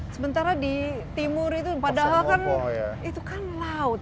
sementara di timur itu padahal kan itu kan laut